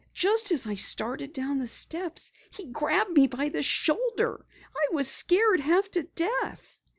Just as I started down the steps he grabbed me by the shoulder. I was scared half to death."